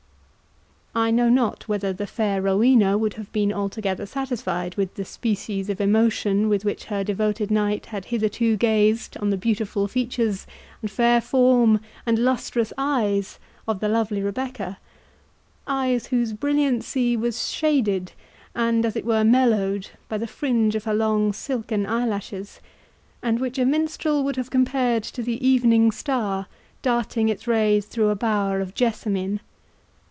I know not whether the fair Rowena would have been altogether satisfied with the species of emotion with which her devoted knight had hitherto gazed on the beautiful features, and fair form, and lustrous eyes, of the lovely Rebecca; eyes whose brilliancy was shaded, and, as it were, mellowed, by the fringe of her long silken eyelashes, and which a minstrel would have compared to the evening star darting its rays through a bower of jessamine.